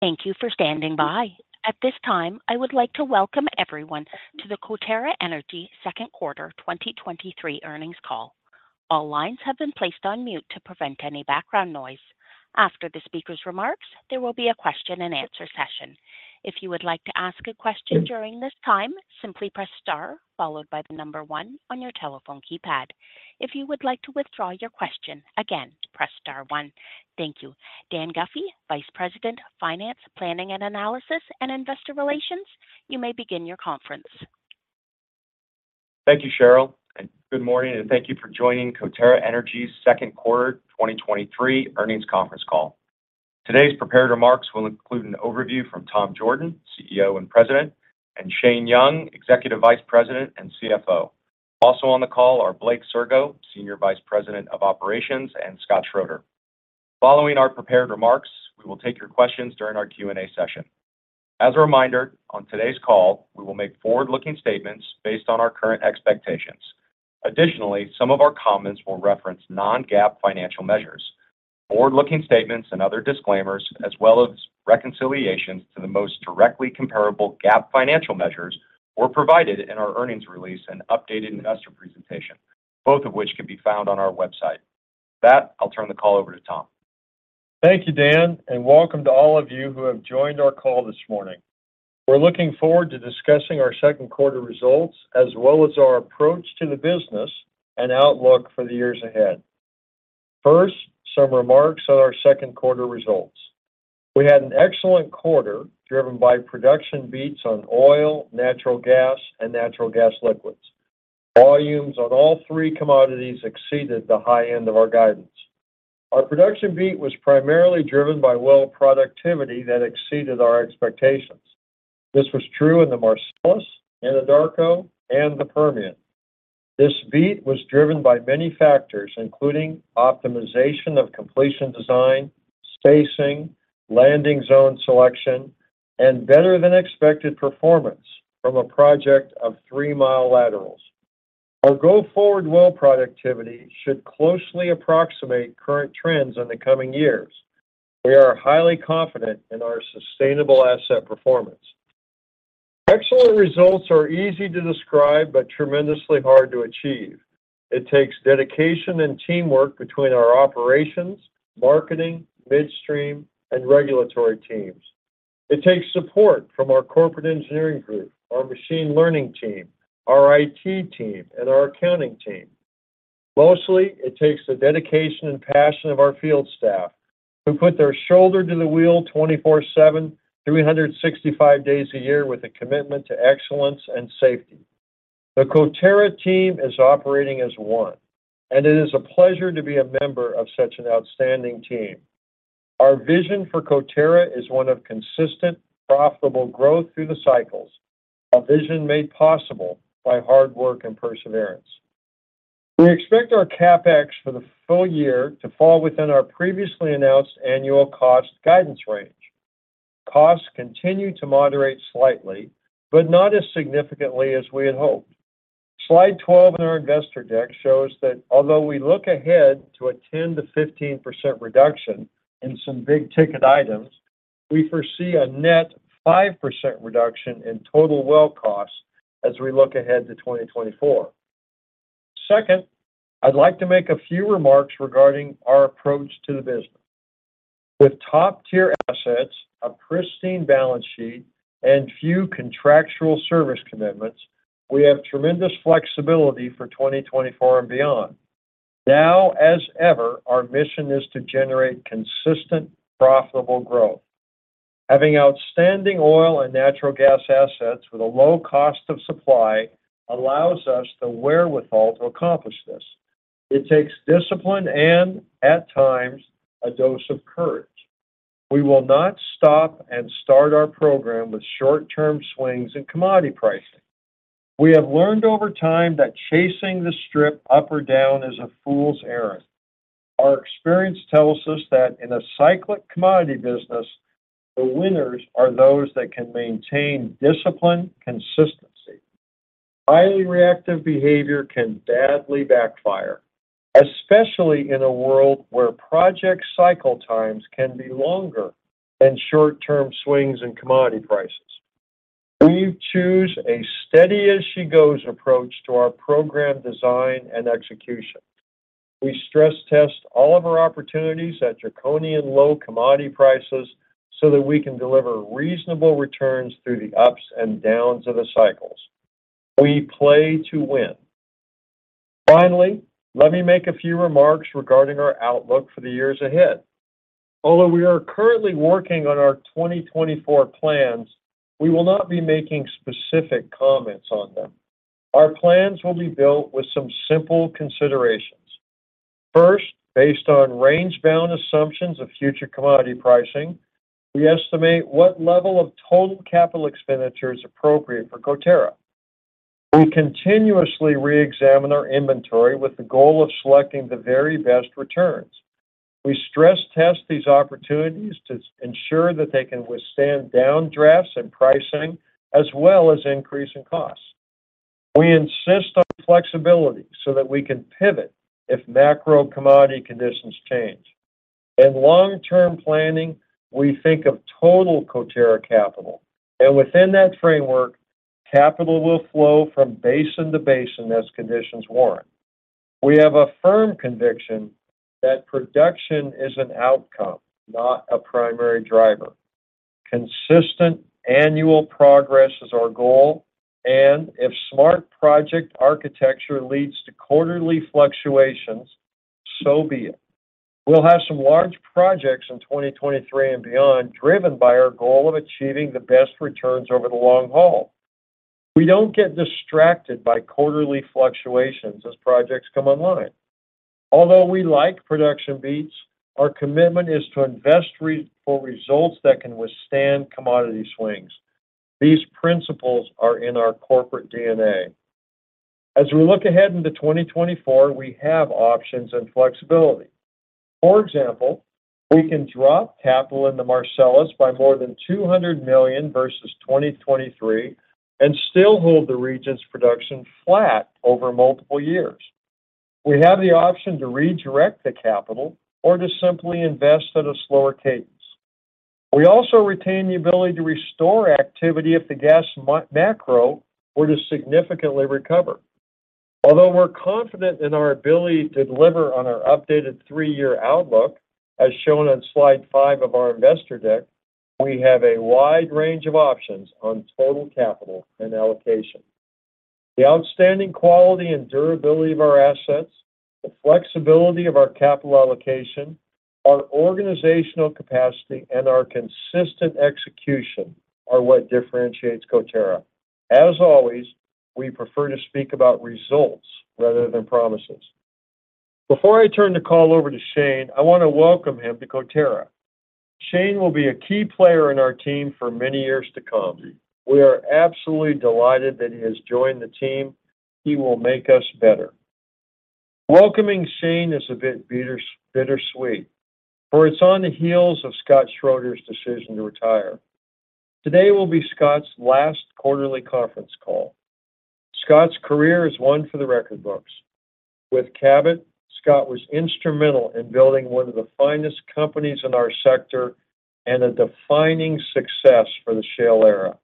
Thank you for standing by. At this time, I would like to welcome everyone to the Coterra Energy second quarter 2023 earnings call. All lines have been placed on mute to prevent any background noise. After the speaker's remarks, there will be a question and answer session. If you would like to ask a question during this time, simply press star followed by the number 1 on your telephone keypad. If you would like to withdraw your question, again, press star one. Thank you. Dan Guffey, Vice President of Finance, Planning and Analysis, and Investor Relations, you may begin your conference. Thank you, Cheryl, good morning, and thank you for joining Coterra Energy's second quarter 2023 earnings conference call. Today's prepared remarks will include an overview from Tom Jorden, CEO and President, and Shane Young, Executive Vice President and CFO. Also on the call are Blake Sirgo, Senior Vice President of Operations, and Scott Schroeder. Following our prepared remarks, we will take your questions during our Q&A session. As a reminder, on today's call, we will make forward-looking statements based on our current expectations. Additionally, some of our comments will reference non-GAAP financial measures. Forward-looking statements and other disclaimers, as well as reconciliations to the most directly comparable GAAP financial measures, were provided in our earnings release and updated investor presentation, both of which can be found on our website. With that, I'll turn the call over to Tom. Thank you, Dan, welcome to all of you who have joined our call this morning. We're looking forward to discussing our second quarter results, as well as our approach to the business and outlook for the years ahead. First, some remarks on our second quarter results. We had an excellent quarter, driven by production beats on oil, natural gas, and natural gas liquids. Volumes on all three commodities exceeded the high end of our guidance. Our production beat was primarily driven by well productivity that exceeded our expectations. This was true in the Marcellus, Anadarko, and the Permian. This beat was driven by many factors, including optimization of completion design, spacing, landing zone selection, and better than expected performance from a project of three-mile laterals. Our go-forward well productivity should closely approximate current trends in the coming years. We are highly confident in our sustainable asset performance. Excellent results are easy to describe, but tremendously hard to achieve. It takes dedication and teamwork between our operations, marketing, midstream, and regulatory teams. It takes support from our corporate engineering group, our machine learning team, our IT team, and our accounting team. Mostly, it takes the dedication and passion of our field staff, who put their shoulder to the wheel 24/7, 365 days a year with a commitment to excellence and safety. The Coterra team is operating as one, and it is a pleasure to be a member of such an outstanding team. Our vision for Coterra is one of consistent, profitable growth through the cycles, a vision made possible by hard work and perseverance. We expect our CapEx for the full year to fall within our previously announced annual cost guidance range. Costs continue to moderate slightly. Not as significantly as we had hoped. Slide 12 in our investor deck shows that although we look ahead to a 10%-15% reduction in some big-ticket items, we foresee a net 5% reduction in total well costs as we look ahead to 2024. Second, I'd like to make a few remarks regarding our approach to the business. With top-tier assets, a pristine balance sheet, and few contractual service commitments, we have tremendous flexibility for 2024 and beyond. Now, as ever, our mission is to generate consistent, profitable growth. Having outstanding oil and natural gas assets with a low cost of supply allows us the wherewithal to accomplish this. It takes discipline and, at times, a dose of courage. We will not stop and start our program with short-term swings in commodity pricing. We have learned over time that chasing the strip up or down is a fool's errand. Our experience tells us that in a cyclic commodity business, the winners are those that can maintain discipline, consistency. Highly reactive behavior can badly backfire, especially in a world where project cycle times can be longer than short-term swings in commodity prices. We choose a steady-as-she-goes approach to our program design and execution. We stress test all of our opportunities at draconian low commodity prices so that we can deliver reasonable returns through the ups and downs of the cycles. We play to win. Finally, let me make a few remarks regarding our outlook for the years ahead. Although we are currently working on our 2024 plans, we will not be making specific comments on them. Our plans will be built with some simple considerations. First, based on range-bound assumptions of future commodity pricing, we estimate what level of total capital expenditure is appropriate for Coterra. We continuously reexamine our inventory with the goal of selecting the very best returns. We stress test these opportunities to ensure that they can withstand downdrafts in pricing, as well as increase in costs. We insist on flexibility so that we can pivot if macro commodity conditions change. In long-term planning, we think of total Coterra capital, and within that framework, capital will flow from basin to basin as conditions warrant. We have a firm conviction that production is an outcome, not a primary driver. Consistent annual progress is our goal, and if smart project architecture leads to quarterly fluctuations, so be it. We'll have some large projects in 2023 and beyond, driven by our goal of achieving the best returns over the long haul. We don't get distracted by quarterly fluctuations as projects come online. Although we like production beats, our commitment is to invest for results that can withstand commodity swings. These principles are in our corporate DNA. As we look ahead into 2024, we have options and flexibility. For example, we can drop capital in the Marcellus by more than $200 million versus 2023 and still hold the region's production flat over multiple years. We have the option to redirect the capital or to simply invest at a slower cadence. We also retain the ability to restore activity if the gas macro were to significantly recover. Although we're confident in our ability to deliver on our updated three-year outlook, as shown on slide five of our investor deck, we have a wide range of options on total capital and allocation. The outstanding quality and durability of our assets, the flexibility of our capital allocation, our organizational capacity, and our consistent execution are what differentiates Coterra. As always, we prefer to speak about results rather than promises. Before I turn the call over to Shane, I want to welcome him to Coterra. Shane will be a key player in our team for many years to come. We are absolutely delighted that he has joined the team. He will make us better. Welcoming Shane is a bit bitter, bittersweet, for it's on the heels of Scott Schroeder's decision to retire. Today will be Scott's last quarterly conference call. Scott's career is one for the record books. With Cabot, Scott was instrumental in building one of the finest companies in our sector and a defining success for the shale era.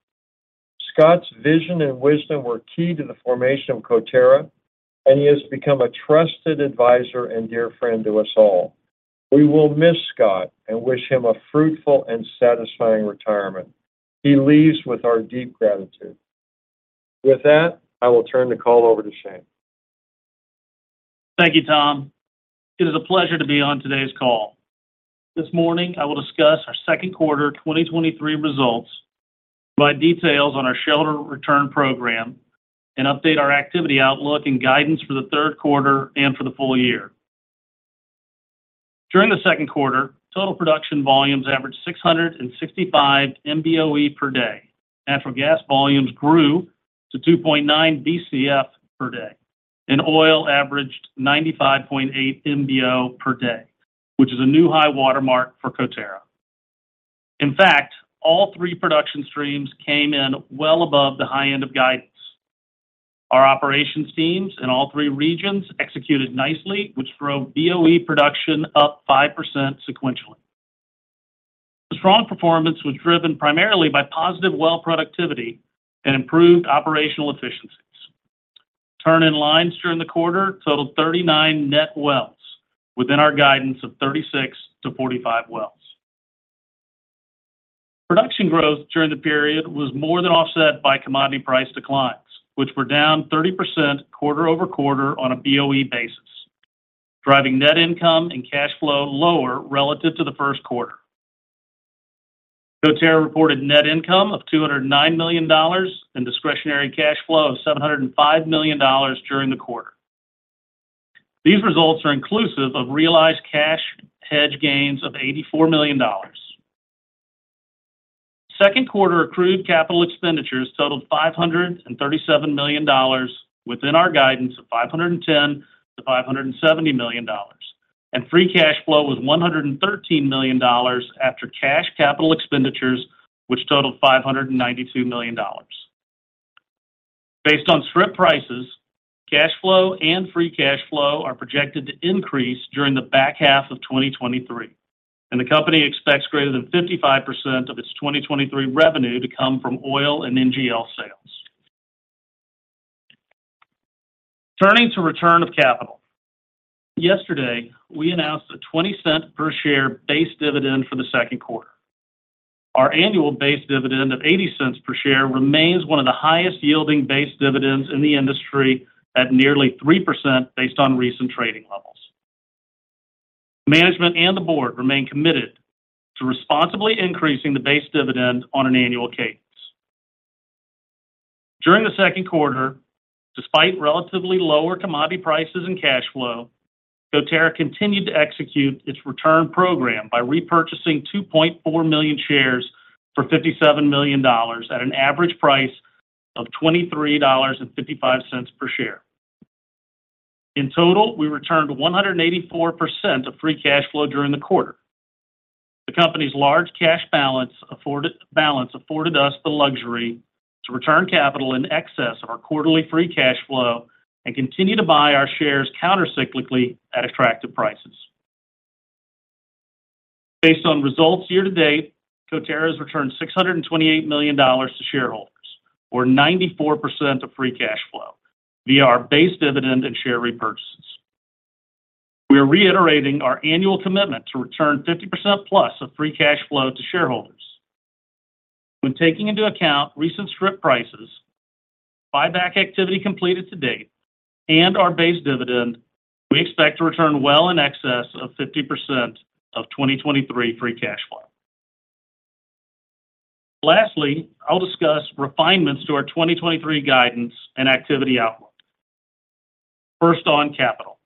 Scott's vision and wisdom were key to the formation of Coterra, and he has become a trusted advisor and dear friend to us all. We will miss Scott and wish him a fruitful and satisfying retirement. He leaves with our deep gratitude. With that, I will turn the call over to Shane. Thank you, Tom. It is a pleasure to be on today's call. This morning, I will discuss our second quarter 2023 results, provide details on our shareholder return program, and update our activity outlook and guidance for the third quarter and for the full year. During the second quarter, total production volumes averaged 665 MBOE per day. Natural gas volumes grew to 2.9 BCF per day, and oil averaged 95.8 MBO per day, which is a new high watermark for Coterra. In fact, all three production streams came in well above the high end of guidance. Our operations teams in all three regions executed nicely, which drove BOE production up 5% sequentially. The strong performance was driven primarily by positive well productivity and improved operational efficiencies. Turn in lines during the quarter totaled 39 net wells, within our guidance of 36-45 wells. Production growth during the period was more than offset by commodity price declines, which were down 30% quarter-over-quarter on a BOE basis, driving net income and cash flow lower relative to the first quarter. Coterra reported net income of $209 million and discretionary cash flow of $705 million during the quarter. These results are inclusive of realized cash hedge gains of $84 million. Second quarter accrued capital expenditures totaled $537 million within our guidance of $510 million-$570 million, and free cash flow was $113 million after cash capital expenditures, which totaled $592 million. Based on strip prices, cash flow and free cash flow are projected to increase during the back half of 2023. The company expects greater than 55% of its 2023 revenue to come from oil and NGL sales. Turning to return of capital. Yesterday, we announced a $0.20 per share base dividend for the second quarter. Our annual base dividend of $0.80 per share remains one of the highest-yielding base dividends in the industry at nearly 3% based on recent trading levels. Management and the board remain committed to responsibly increasing the base dividend on an annual cadence. During the second quarter, despite relatively lower commodity prices and cash flow, Coterra continued to execute its return program by repurchasing 2.4 million shares for $57 million at an average price of $23.55 per share. In total, we returned 184% of free cash flow during the quarter. The company's large cash balance afforded us the luxury to return capital in excess of our quarterly free cash flow and continue to buy our shares countercyclically at attractive prices. Based on results year to date, Coterra has returned $628 million to shareholders, or 94% of free cash flow, via our base dividend and share repurchases. We are reiterating our annual commitment to return 50%+ of free cash flow to shareholders. When taking into account recent strip prices, buyback activity completed to date, and our base dividend, we expect to return well in excess of 50% of 2023 free cash flow. Lastly, I'll discuss refinements to our 2023 guidance and activity outlook. First on capital.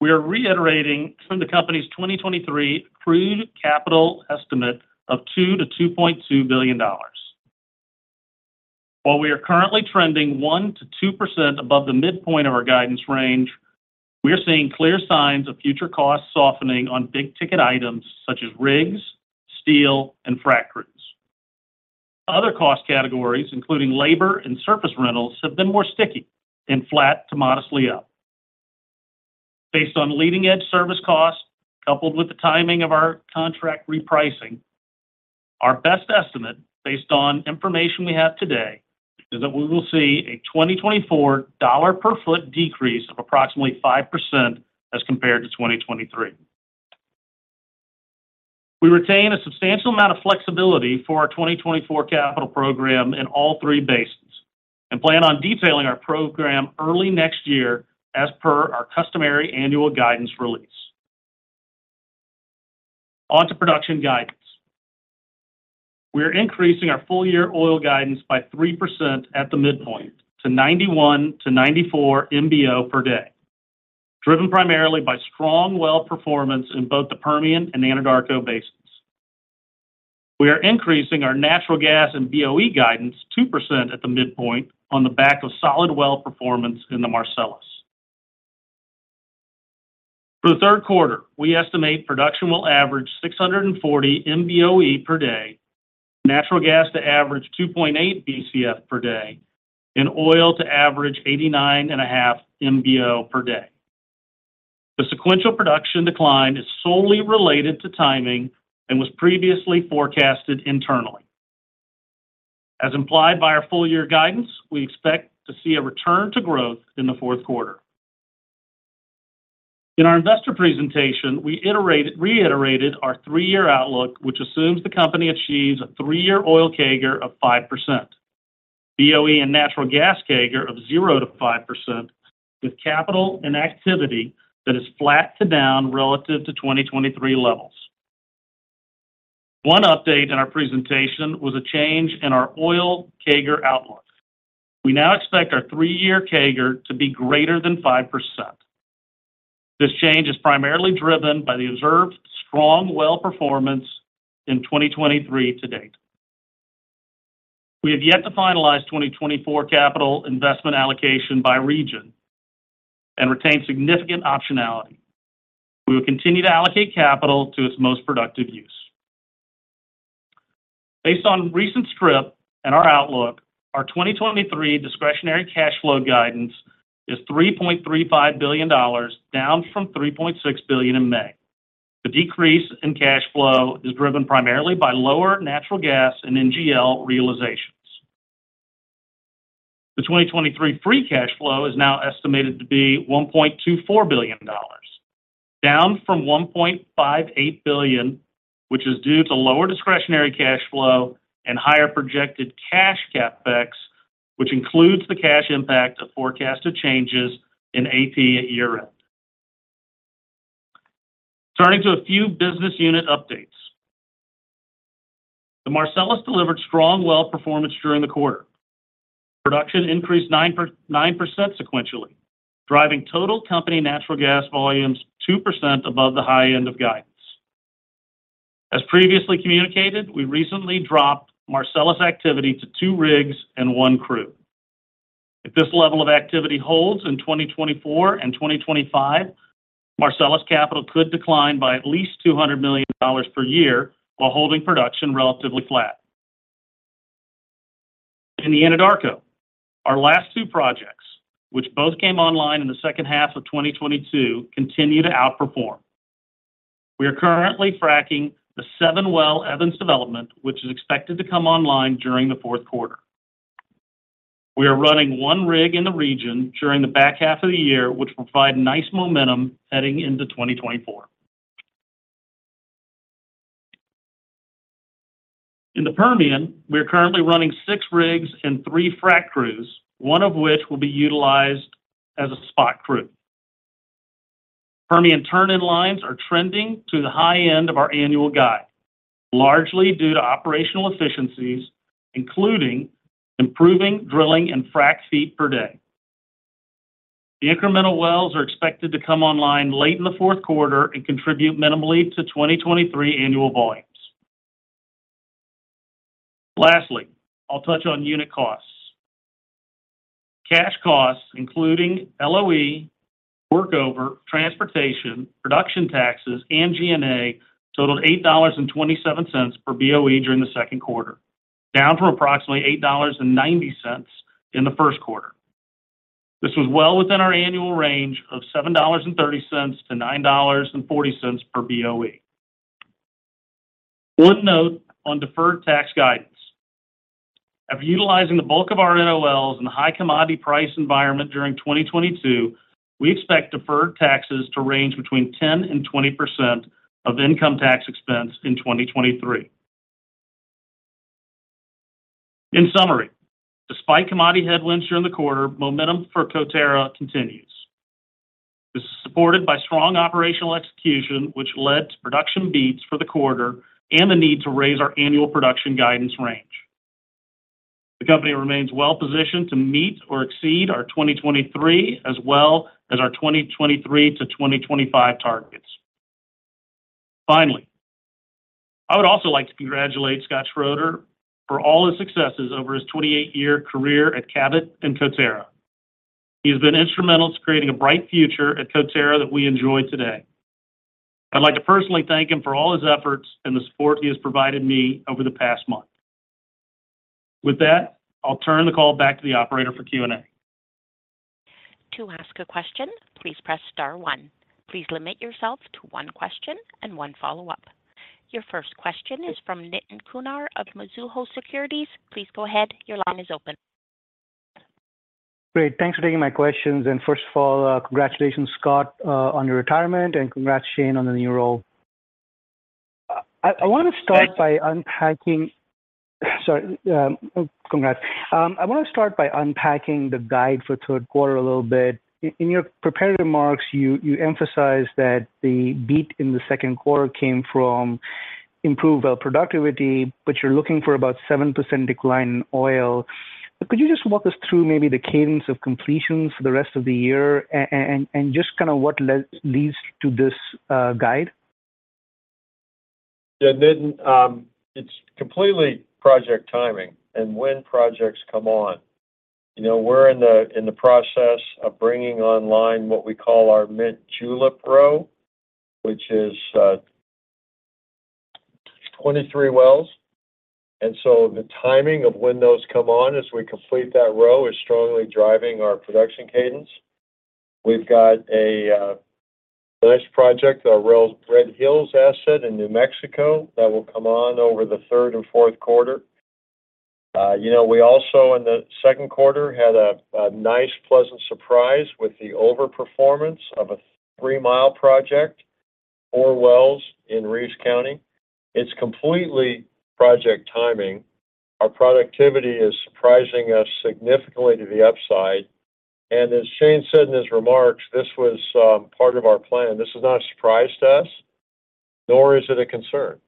We are reiterating from the Company's 2023 crude capital estimate of $2 billion-$2.2 billion. While we are currently trending 1%-2% above the midpoint of our guidance range, we are seeing clear signs of future costs softening on big-ticket items such as rigs, steel, and frac crews. Other cost categories, including labor and surface rentals, have been more sticky and flat to modestly up. Based on leading-edge service costs, coupled with the timing of our contract repricing, our best estimate, based on information we have today, is that we will see a 2024 dollar per foot decrease of approximately 5% as compared to 2023. We retain a substantial amount of flexibility for our 2024 capital program in all three basins and plan on detailing our program early next year as per our customary annual guidance release. On to production guidance. We are increasing our full-year oil guidance by 3% at the midpoint to 91-94 MBO per day, driven primarily by strong well performance in both the Permian and Anadarko basins. We are increasing our natural gas and BOE guidance 2% at the midpoint on the back of solid well performance in the Marcellus. For the third quarter, we estimate production will average 640 MBOE per day, natural gas to average 2.8 BCF per day, and oil to average 89.5 MBO per day. The sequential production decline is solely related to timing and was previously forecasted internally. As implied by our full-year guidance, we expect to see a return to growth in the fourth quarter. In our investor presentation, we reiterated our three-year outlook, which assumes the company achieves a three-year oil CAGR of 5%. BOE and natural gas CAGR of 0%-5%, with capital and activity that is flat to down relative to 2023 levels. One update in our presentation was a change in our oil CAGR outlook. We now expect our three-year CAGR to be greater than 5%. This change is primarily driven by the observed strong well performance in 2023 to date. We have yet to finalize 2024 capital investment allocation by region and retain significant optionality. We will continue to allocate capital to its most productive use. Based on recent strip and our outlook, our 2023 discretionary cash flow guidance is $3.35 billion, down from $3.6 billion in May. The decrease in cash flow is driven primarily by lower natural gas and NGL realizations. The 2023 free cash flow is now estimated to be $1.24 billion, down from $1.58 billion, which is due to lower discretionary cash flow and higher projected cash CapEx, which includes the cash impact of forecasted changes in AP at year-end. Turning to a few business unit updates. The Marcellus delivered strong well performance during the quarter. Production increased 9% sequentially, driving total company natural gas volumes 2% above the high end of guidance. As previously communicated, we recently dropped Marcellus activity to two rigs and one crew. If this level of activity holds in 2024 and 2025, Marcellus Capital could decline by at least $200 million per year while holding production relatively flat. In the Anadarko, our last two projects, which both came online in the second half of 2022, continue to outperform. We are currently fracking the seven-well Evans development, which is expected to come online during the fourth quarter. We are running one rig in the region during the back half of the year, which will provide nice momentum heading into 2024. In the Permian, we are currently running six rigs and three frac crews, one of which will be utilized as a spot crew. Permian turn-in lines are trending to the high end of our annual guide, largely due to operational efficiencies, including improving drilling and frac feet per day. The incremental wells are expected to come online late in the fourth quarter and contribute minimally to 2023 annual volume. Lastly, I'll touch on unit costs. Cash costs, including LOE, workover, transportation, production taxes, and G&A, totaled $8.27 per BOE during the second quarter, down from approximately $8.90 in the first quarter. This was well within our annual range of $7.30-$9.40 per BOE. One note on deferred tax guidance. After utilizing the bulk of our NOLs in the high commodity price environment during 2022, we expect deferred taxes to range between 10% and 20% of income tax expense in 2023. In summary, despite commodity headwinds during the quarter, momentum for Coterra continues. This is supported by strong operational execution, which led to production beats for the quarter and the need to raise our annual production guidance range. The company remains well positioned to meet or exceed our 2023 as well as our 2023-2025 targets. Finally, I would also like to congratulate Scott Schroeder for all his successes over his 28-year career at Cabot and Coterra. He has been instrumental to creating a bright future at Coterra that we enjoy today. I'd like to personally thank him for all his efforts and the support he has provided me over the past month. With that, I'll turn the call back to the operator for Q&A. To ask a question, please press star one. Please limit yourself to 1 question and 1 follow-up. Your first question is from Nitin Kumar of Mizuho Securities. Please go ahead. Your line is open. Great. Thanks for taking my questions. First of all, congratulations, Scott, on your retirement, and congrats, Shane, on the new role. I, I want to start by unpacking. Sorry, congrats. I want to start by unpacking the guide for third quarter a little bit. In your prepared remarks, you emphasized that the beat in the second quarter came from improved well productivity, but you're looking for about 7% decline in oil. Could you just walk us through maybe the cadence of completions for the rest of the year and just kinda what leads to this guide? Yeah, Nitin, it's completely project timing and when projects come on. You know, we're in the, in the process of bringing online what we call our Mint Julep Row, which is 23 wells. So the timing of when those come on as we complete that row is strongly driving our production cadence. We've got a nice project, our Red Hills asset in New Mexico, that will come on over the third and fourth quarter. You know, we also in the second quarter had a nice, pleasant surprise with the overperformance of a 3 Mile project, 4 wells in Reeves County. It's completely project timing. Our productivity is surprising us significantly to the upside, as Shane said in his remarks, this was part of our plan. This is not a surprise to us, nor is it a concern.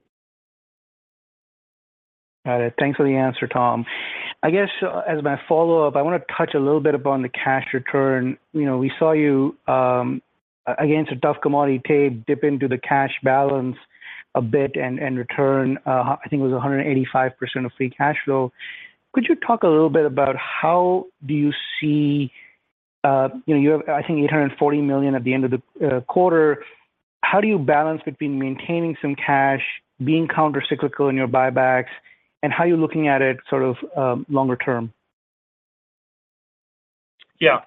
Got it. Thanks for the answer, Tom. I guess as my follow-up, I want to touch a little bit upon the cash return. You know, we saw you, against a tough commodity tape, dip into the cash balance a bit and, and return, I think it was 185% of free cash flow. Could you talk a little bit about how do you see? You know, you have, I think, $840 million at the end of the quarter. How do you balance between maintaining some cash, being countercyclical in your buybacks, and how are you looking at it sort of, longer term? Yeah.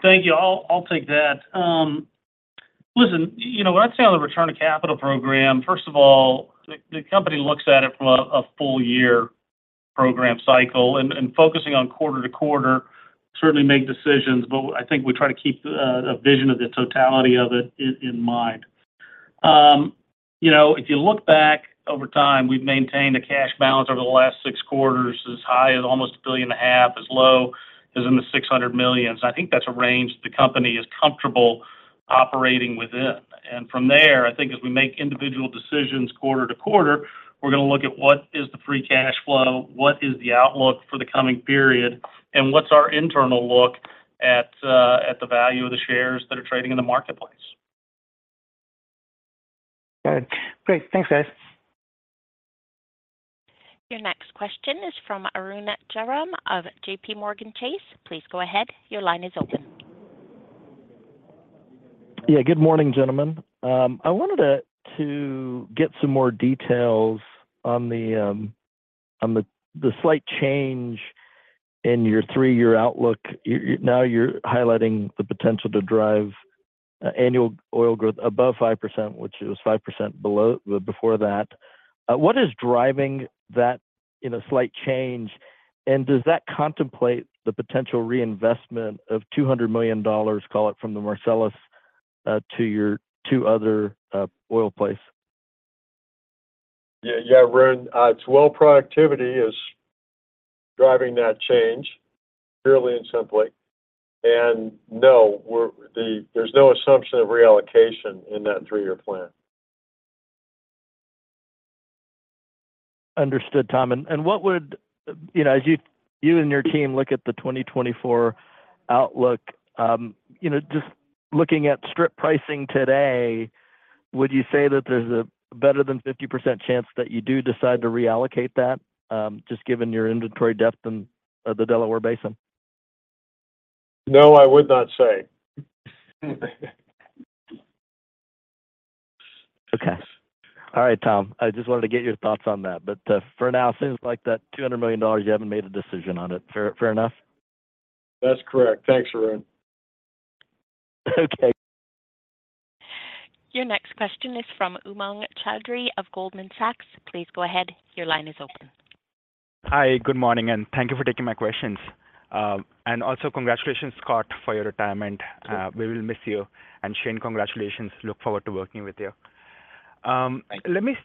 Thank you. I'll, I'll take that. listen, you know, when I'd say on the return of capital program, first of all, the, the company looks at it from a, a full year program cycle, and, and focusing on quarter to quarter, certainly make decisions, but I think we try to keep a, a vision of the totality of it in, in mind. You know, if you look back over time, we've maintained a cash balance over the last six quarters as high as almost $1.5 billion, as low as in the $600 million. I think that's a range the company is comfortable operating within. From there, I think as we make individual decisions quarter to quarter, we're going to look at what is the free cash flow, what is the outlook for the coming period, and what's our internal look at the value of the shares that are trading in the marketplace. Got it. Great. Thanks, guys. Your next question is from Arun Jayaram of JPMorgan Chase. Please go ahead. Your line is open. Yeah, good morning, gentlemen. I wanted to get some more details on the, on the, the slight change in your three-year outlook. You now you're highlighting the potential to drive annual oil growth above 5%, which it was 5% below before that. What is driving that in a slight change, and does that contemplate the potential reinvestment of $200 million, call it, from the Marcellus to your two other oil plays? Yeah, yeah, Arun, it's well productivity is driving that change, purely and simply. No, we're, there's no assumption of reallocation in that three-year plan. Understood, Tom. What would, you know, as you, you and your team look at the 2024 outlook, you know, just looking at strip pricing today... Would you say that there's a better than 50% chance that you do decide to reallocate that, just given your inventory depth in the Delaware Basin? No, I would not say. Okay. All right, Tom, I just wanted to get your thoughts on that, but for now, it seems like that $200 million, you haven't made a decision on it. Fair, fair enough? That's correct. Thanks, Arun. Okay. Your next question is from Umang Choudhary of Goldman Sachs. Please go ahead. Your line is open. Hi, good morning, and thank you for taking my questions. Also congratulations, Scott, for your retirement. Sure. We will miss you. Shane, congratulations. Look forward to working with you. Let me--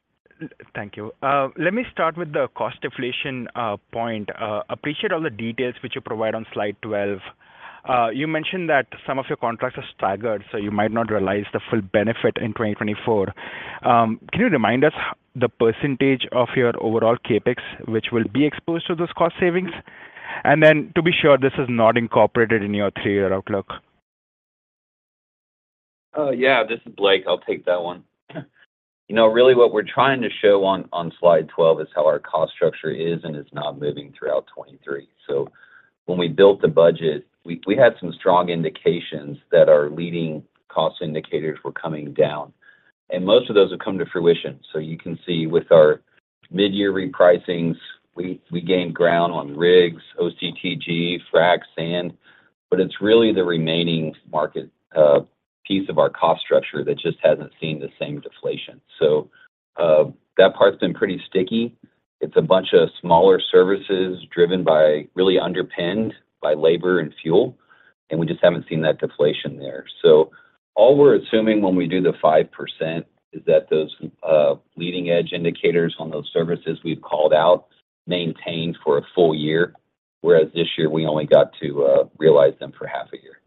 thank you. Let me start with the cost deflation point. Appreciate all the details which you provide on slide 12. You mentioned that some of your contracts are staggered, so you might not realize the full benefit in 2024. Can you remind us the percentage of your overall CapEx, which will be exposed to this cost savings? Then, to be sure, this is not incorporated in your three-year outlook. Yeah, this is Blake. I'll take that one. You know, really what we're trying to show on, on slide 12 is how our cost structure is and is not moving throughout 2023. When we built the budget, we, we had some strong indications that our leading cost indicators were coming down, and most of those have come to fruition. You can see with our mid-year repricings, we, we gained ground on rigs, OCTG, frac, sand, but it's really the remaining market piece of our cost structure that just hasn't seen the same deflation. That part's been pretty sticky. It's a bunch of smaller services really underpinned by labor and fuel, and we just haven't seen that deflation there. All we're assuming when we do the 5% is that those leading-edge indicators on those services we've called out maintained for a full year, whereas this year, we only got to realize them for half a year.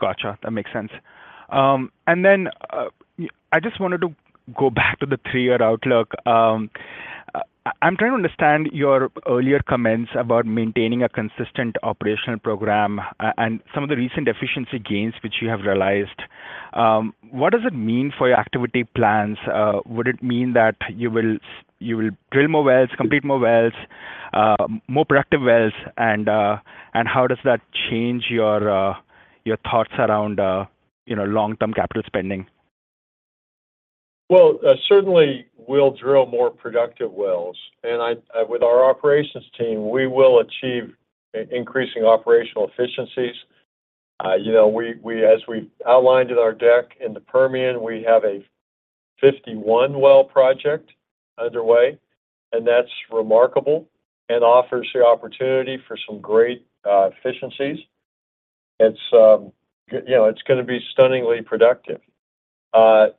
Gotcha, that makes sense. Then, I just wanted to go back to the three-year outlook. I, I'm trying to understand your earlier comments about maintaining a consistent operational program and some of the recent efficiency gains which you have realized. What does it mean for your activity plans? Would it mean that you will drill more wells, complete more wells, more productive wells? How does that change your thoughts around, you know, long-term capital spending? Well, certainly we'll drill more productive wells, and I, with our operations team, we will achieve increasing operational efficiencies. You know, we, as we outlined in our deck, in the Permian, we have a 51 well project underway, and that's remarkable and offers the opportunity for some great efficiencies. It's, you know, it's going to be stunningly productive.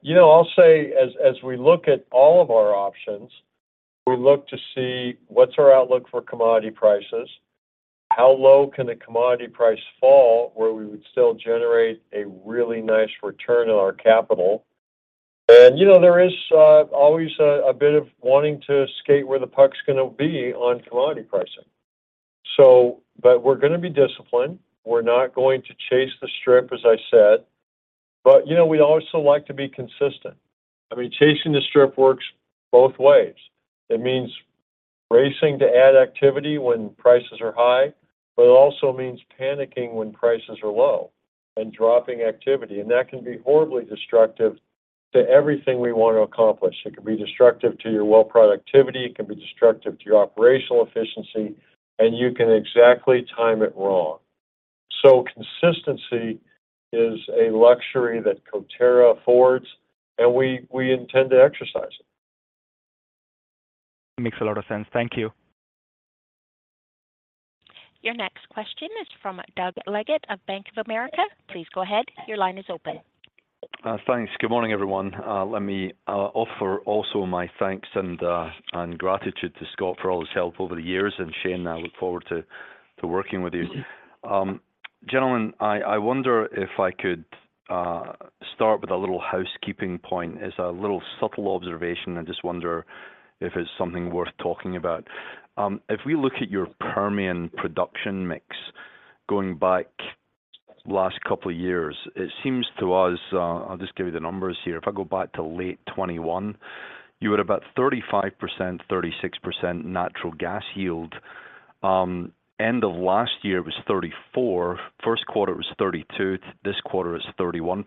You know, I'll say as, as we look at all of our options, we look to see what's our outlook for commodity prices, how low can the commodity price fall, where we would still generate a really nice return on our capital. You know, there is always a bit of wanting to skate where the puck's going tobe on commodity pricing. We're going to be disciplined. We're not going to chase the strip, as I said, but, you know, we also like to be consistent. I mean, chasing the strip works both ways. It means racing to add activity when prices are high, but it also means panicking when prices are low and dropping activity, and that can be horribly destructive to everything we want to accomplish. It can be destructive to your well productivity, it can be destructive to your operational efficiency, and you can exactly time it wrong. Consistency is a luxury that Coterra affords, and we, we intend to exercise it. Makes a lot of sense. Thank you. Your next question is from Doug Leggate of Bank of America. Please go ahead. Your line is open. Thanks. Good morning, everyone. Let me offer also my thanks and gratitude to Scott for all his help over the years, and Shane, I look forward to working with you. Gentlemen, I wonder if I could start with a little housekeeping point. It's a little subtle observation. I just wonder if it's something worth talking about. If we look at your Permian production mix, going back last couple of years, it seems to us, I'll just give you the numbers here. If I go back to late 2021, you were at about 35%, 36% natural gas yield. End of last year, it was 34%, 1st quarter was 32%, this quarter is 31%.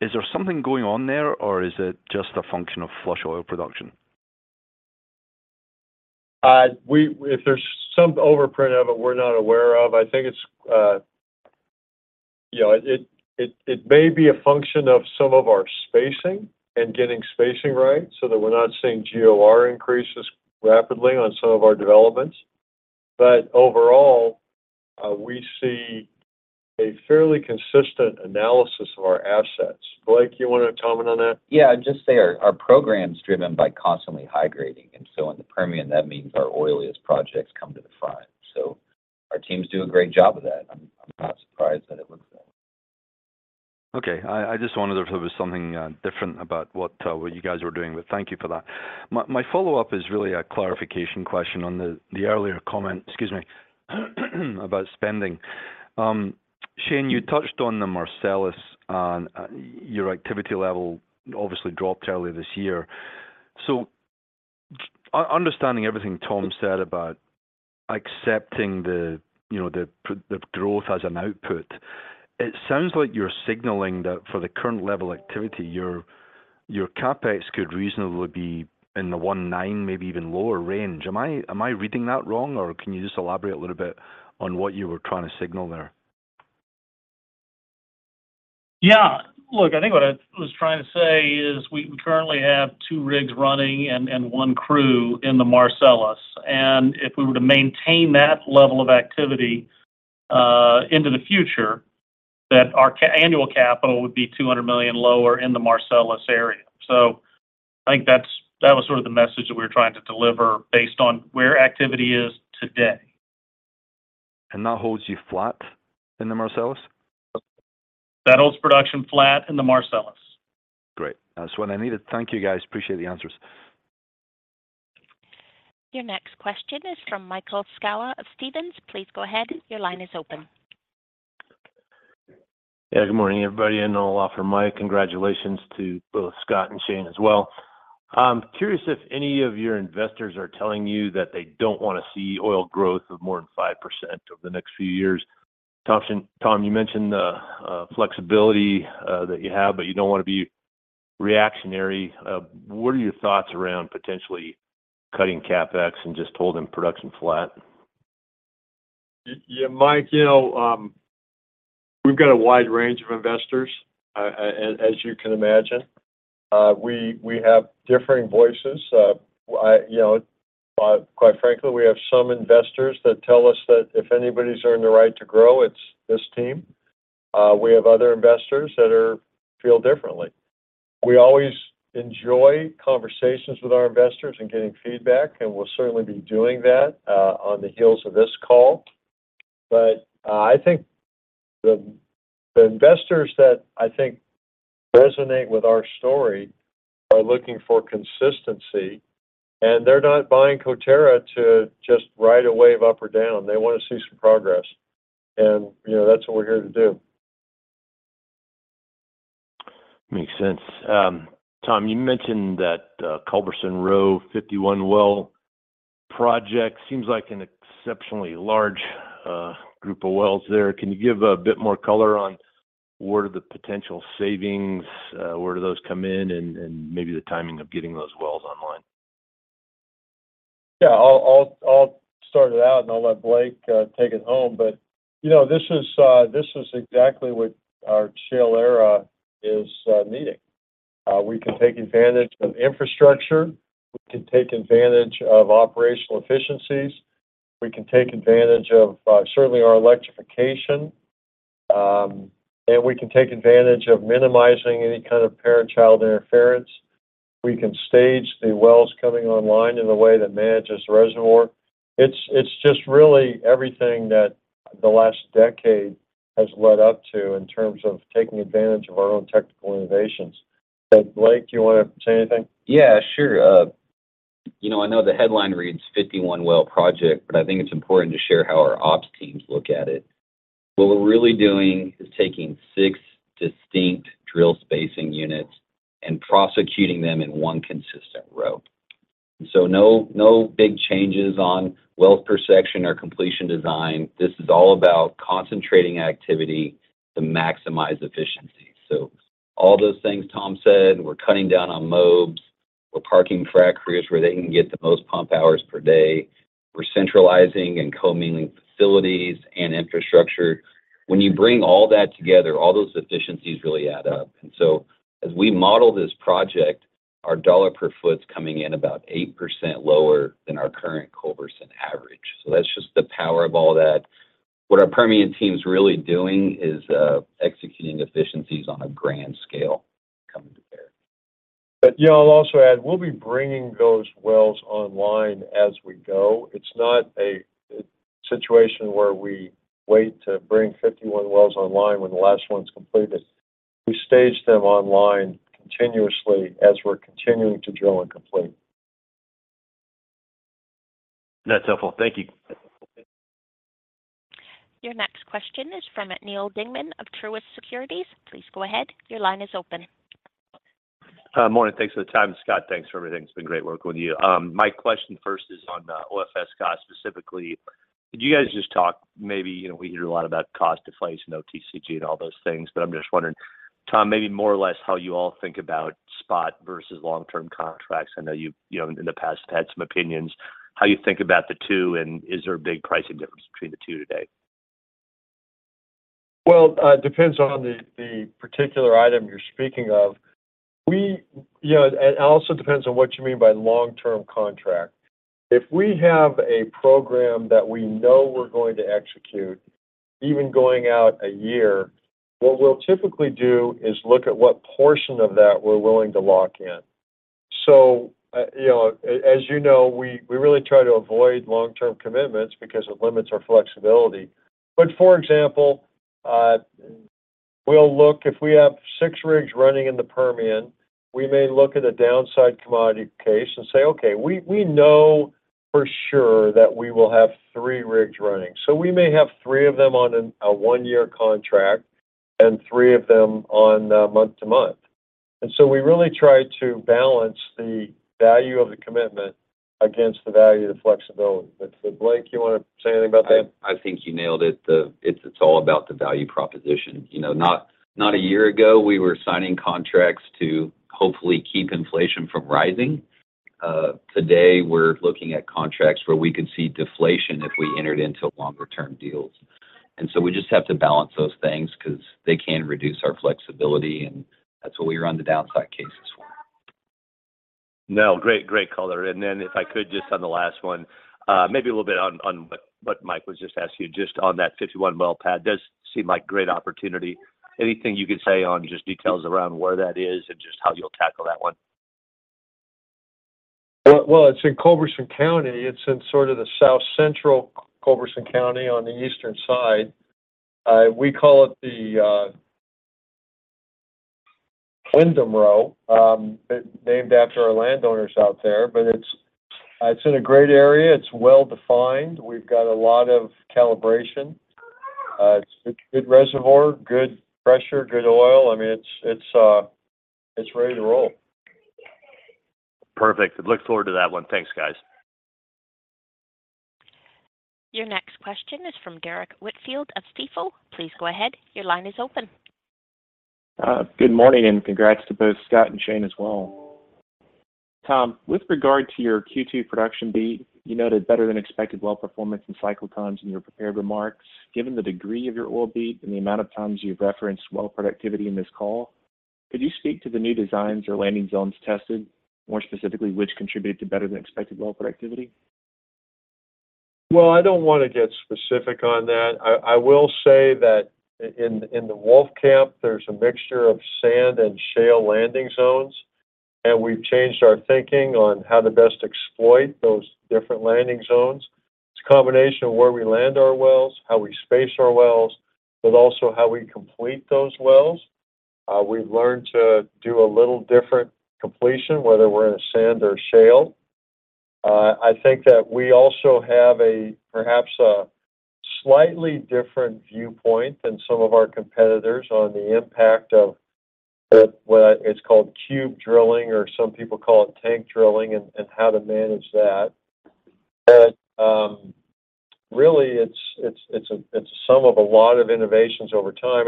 Is there something going on there, or is it just a function of flush oil production? If there's some overprint of it we're not aware of, I think it's, may be a function of some of our spacing and getting spacing right so that we're not seeing GOR increases rapidly on some of our developments. Overall, we see a fairly consistent analysis of our assets. Blake, you want to comment on that? Yeah, I'd just say our, our program's driven by constantly high grading. In the Permian, that means our oiliest projects come to the front. Our teams do a great job of that. I'm, I'm not surprised that it looks good. Okay, I, I just wondered if it was something different about what you guys were doing, but thank you for that. My, my follow-up is really a clarification question on the, the earlier comment, excuse me, about spending. Shane, you touched on the Marcellus, and your activity level obviously dropped earlier this year. Understanding everything Tom said about accepting the, you know, the, the growth as an output, it sounds like you're signaling that for the current level activity, your, your CapEx could reasonably be in the $1.9, maybe even lower range. Am I, am I reading that wrong, or can you just elaborate a little bit on what you were trying to signal there? Yeah, look, I think what I was trying to say is we currently have two rigs running and, and 1 crew in the Marcellus. If we were to maintain that level of activity, into the future, that our annual capital would be $200 million lower in the Marcellus area. I think that's, that was sort of the message that we were trying to deliver based on where activity is today. That holds you flat in the Marcellus? That holds production flat in the Marcellus. Great. That's what I needed. Thank you, guys. Appreciate the answers. Your next question is from Michael Scialla of Stephens. Please go ahead. Your line is open. Yeah, good morning, everybody, I'll offer my congratulations to both Scott and Shane as well. I'm curious if any of your investors are telling you that they don't want to see oil growth of more than 5% over the next few years. Tom, Tom, you mentioned the flexibility that you have, but you don't want to be reactionary. What are your thoughts around potentially cutting CapEx and just holding production flat? Y-yeah, Mike, you know, we've got a wide range of investors, as you can imagine. We, we have differing voices. I, you know, quite frankly, we have some investors that tell us that if anybody's earned the right to grow, it's this team. We have other investors that are-- feel differently. We always enjoy conversations with our investors and getting feedback, and we'll certainly be doing that on the heels of this call. I think the, the investors that I think resonate with our story are looking for consistency, and they're not buying Coterra to just ride a wave up or down. They want to see some progress, and, you know, that's what we're here to do. Makes sense. Tom, you mentioned that Culberson Row 51 well project. Seems like an exceptionally large group of wells there. Can you give a bit more color on where do the potential savings, where do those come in, and maybe the timing of getting those wells online? Yeah. I'll, start it out, and I'll let Blake take it home. You know, this is exactly what our shale era is needing. We can take advantage of infrastructure. We can take advantage of operational efficiencies. We can take advantage of certainly our electrification, and we can take advantage of minimizing any kind of parent-child interference. We can stage the wells coming online in a way that manages the reservoir. It's, it's just really everything that the last decade has led up to in terms of taking advantage of our own technical innovations. Blake, you want to say anything? Yeah, sure. you know, I know the headline reads 51 well project, but I think it's important to share how our ops teams look at it. What we're really doing is taking six distinct drill spacing units and prosecuting them in one consistent row. No, big changes on wells per section or completion design. This is all about concentrating activity to maximize efficiency. All those things Tom said, we're cutting down on mobes. We're parking frac rigs where they can get the most pump hours per day. We're centralizing and co-mingling facilities and infrastructure. When you bring all that together, all those efficiencies really add up. As we model this project, our $ per foot is coming in about 8% lower than our current Culberson average. That's just the power of all that. What our Permian team's really doing is executing efficiencies on a grand scale coming to bear. Yeah, I'll also add, we'll be bringing those wells online as we go. It's not a situation where we wait to bring 51 wells online when the last one's completed. We stage them online continuously as we're continuing to drill and complete. That's helpful. Thank you. Your next question is from Neal Dingmann of Truist Securities. Please go ahead. Your line is open. Morning. Thanks for the time. Scott, thanks for everything. It's been great working with you. My question first is on OFS costs. Specifically, could you guys just talk maybe, you know, we hear a lot about cost deflation and OCTG and all those things. I'm just wondering, Tom, maybe more or less how you all think about spot versus long-term contracts. I know you've, you know, in the past had some opinions. How you think about the two. Is there a big pricing difference between the two today? Well, it depends on the, the particular item you're speaking of. You know, it also depends on what you mean by long-term contract. If we have a program that we know we're going to execute, even going out a year, what we'll typically do is look at what portion of that we're willing to lock in. You know, as you know, we, we really try to avoid long-term commitments because it limits our flexibility. For example, we'll look if we have 6 rigs running in the Permian, we may look at a downside commodity case and say, "Okay, we, we know for sure that we will have three rigs running. We may have three of them on a 1-year contract and three of them on, month-to-month. We really try to balance the value of the commitment against the value of the flexibility. Blake, you want to say anything about that? I, I think you nailed it. It's, it's all about the value proposition. You know, not, not a year ago, we were signing contracts to hopefully keep inflation from rising. Today, we're looking at contracts where we could see deflation if we entered into longer-term deals. So we just have to balance those things 'cause they can reduce our flexibility, and that's what we run the downside cases for. No, great, great color. Then if I could just on the last one, maybe a little bit on, on what, what Mike was just asking you, just on that 51 well pad. Does seem like great opportunity. Anything you could say on just details around where that is and just how you'll tackle that one? Well, well, it's in Culberson County. It's in sort of the south central Culberson County on the eastern side. We call it the Windham Row, named after our landowners out there, but it's, it's in a great area. It's well-defined. We've got a lot of calibration. It's good reservoir, good pressure, good oil. I mean, it's, it's, it's ready to roll. Perfect. Look forward to that one. Thanks, guys. Your next question is from Derrick Whitfield of Stifel. Please go ahead. Your line is open. Good morning. Congrats to both Scott and Shane as well. Tom, with regard to your Q2 production beat, you noted better-than-expected well performance and cycle times in your prepared remarks. Given the degree of your oil beat and the amount of times you've referenced well productivity in this call, could you speak to the new designs or landing zones tested, more specifically, which contributed to better-than-expected well productivity? Well, I don't want to get specific on that. I will say that in the Wolfcamp, there's a mixture of sand and shale landing zones, and we've changed our thinking on how to best exploit those different landing zones. It's a combination of where we land our wells, how we space our wells, but also how we complete those wells. We've learned to do a little different completion, whether we're in a sand or shale. I think that we also have a perhaps a slightly different viewpoint than some of our competitors on the impact of the what it's called cube drilling, or some people call it tank development, and how to manage that. Really, it's, it's, it's a, it's a sum of a lot of innovations over time.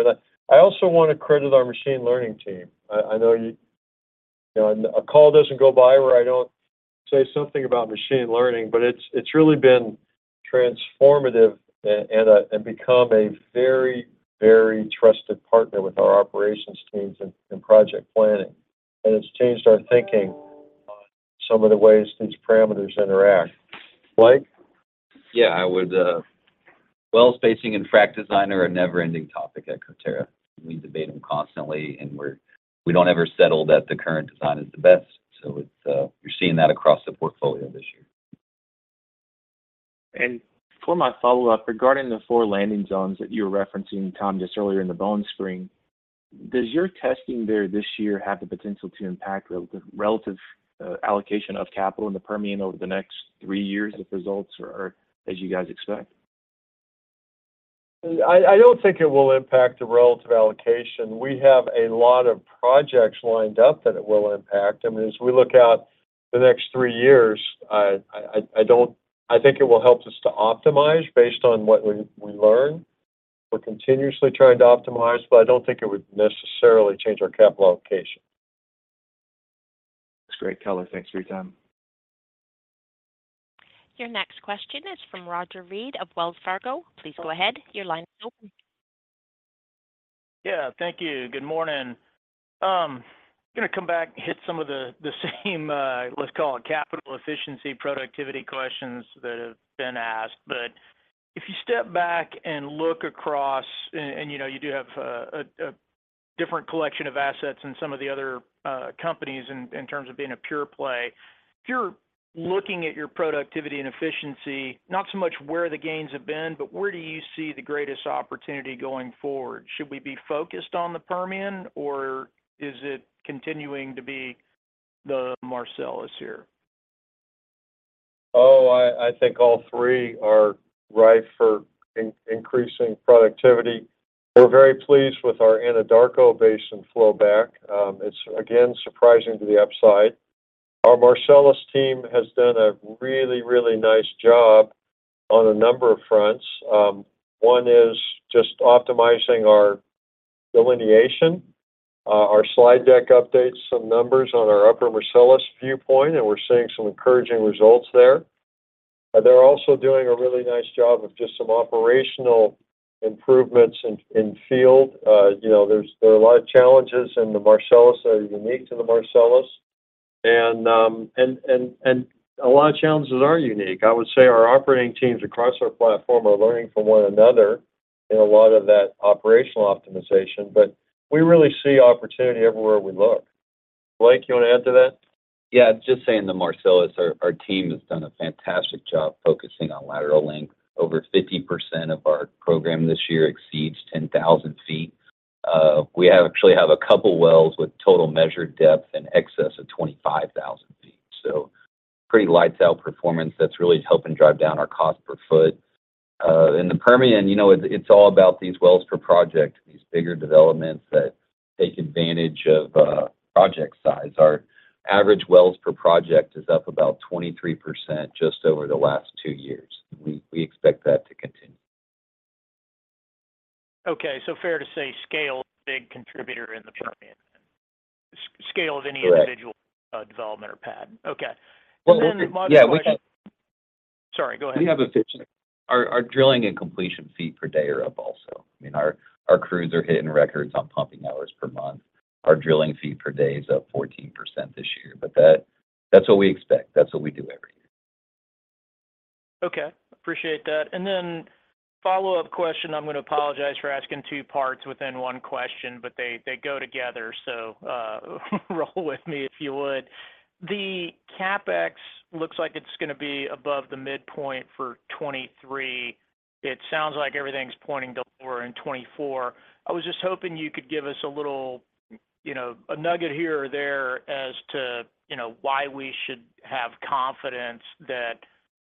I also want to credit our machine learning team. I, I know you know, a call doesn't go by where I don't say something about machine learning, but it's, it's really been transformative and become a very, very trusted partner with our operations teams and project planning. It's changed our thinking on some of the ways these parameters interact. Blake? Yeah, I would, well, spacing and frac design are a never-ending topic at Coterra. We debate them constantly, and we don't ever settle that the current design is the best, so it's, you're seeing that across the portfolio this year. For my follow-up, regarding the four landing zones that you were referencing, Tom, just earlier in the Bone Spring, does your testing there this year have the potential to impact the, the relative allocation of capital in the Permian over the next three years if results are as you guys expect? I, I don't think it will impact the relative allocation. We have a lot of projects lined up that it will impact. I mean, as we look out the next 3 years, I, I, I don't... I think it will help us to optimize based on what we, we learn. We're continuously trying to optimize, but I don't think it would necessarily change our capital allocation. Great color. Thanks for your time. Your next question is from Roger Read of Wells Fargo. Please go ahead. Your line is open. Yeah, thank you. Good morning. I'm going to come back and hit some of the, the same, let's call it capital efficiency, productivity questions that have been asked. If you step back and look across, and, you know, you do have a, different collection of assets than some of the other, companies in, in terms of being a pure play. If you're looking at your productivity and efficiency, not so much where the gains have been, but where do you see the greatest opportunity going forward? Should we be focused on the Permian, or is it continuing to be the Marcellus here? Oh, I, I think all three are ripe for increasing productivity. We're very pleased with our Anadarko Basin flowback. It's again, surprising to the upside. Our Marcellus team has done a really, really nice job on a number of fronts. One is just optimizing our delineation. Our slide deck updates some numbers on our upper Marcellus viewpoint, and we're seeing some encouraging results there. They're also doing a really nice job of just some operational improvements in, in field. You know, there's, there are a lot of challenges in the Marcellus that are unique to the Marcellus. A lot of challenges are unique. I would say our operating teams across our platform are learning from one another in a lot of that operational optimization, but we really see opportunity everywhere we look. Blake, you want to add to that? Yeah, just saying the Marcellus, our, our team has done a fantastic job focusing on lateral length. Over 50% of our program this year exceeds 10,000 feet. We actually have a couple wells with total measured depth in excess of 25,000 feet. Pretty lights out performance that's really helping drive down our cost per foot. In the Permian, you know, it's, it's all about these wells per project, these bigger developments that take advantage of project size. Our average wells per project is up about 23% just over the last two years. We, we expect that to continue. Okay, fair to say scale, big contributor in the Permian. Scale of any- Correct... individual development or pad. Okay. Well, yeah. Sorry, go ahead. We have a fit. Our, our drilling and completion feet per day are up also. I mean, our, our crews are hitting records on pumping hours per month. Our drilling feet per day is up 14% this year, but that, that's what we expect. That's what we do every year. Okay, appreciate that. Then follow-up question, I'm going to apologize for asking two parts within one question, but they, they go together, so, roll with me if you would. The CapEx looks like it's going to be above the midpoint for 2023. It sounds like everything's pointing to lower in 2024. I was just hoping you could give us a little, you know, a nugget here or there as to, you know, why we should have confidence that